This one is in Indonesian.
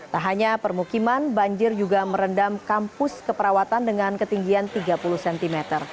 tak hanya permukiman banjir juga merendam kampus keperawatan dengan ketinggian tiga puluh cm